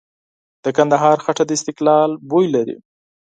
د کندهار خټه د استقلال بوی لري.